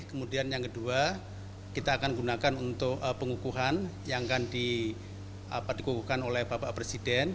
kemudian yang kedua kita akan gunakan untuk pengukuhan yang akan dikukuhkan oleh bapak presiden